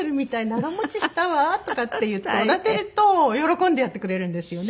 長持ちしたわ」とかって言っておだてると喜んでやってくれるんですよね。